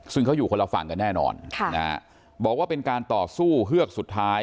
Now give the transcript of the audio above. ซึ่งเขาอยู่คนละฝั่งกันแน่นอนค่ะนะฮะบอกว่าเป็นการต่อสู้เฮือกสุดท้าย